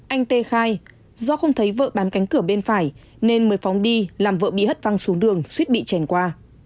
anh tê khai do không thấy vợ bán cánh cửa bên phải nên mới phóng đi làm vợ bị hất văng xuống đường suýt bị chèn qua